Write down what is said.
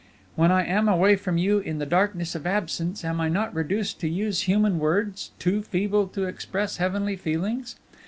"When I am away from you in the darkness of absence, am I not reduced to use human words, too feeble to express heavenly feelings?